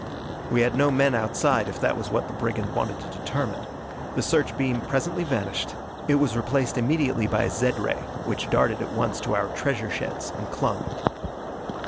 We had no men outside, if that was what the brigand wanted to determine. The search beam presently vanished. It was replaced immediately by a zed ray, which darted at once to our treasure sheds and clung.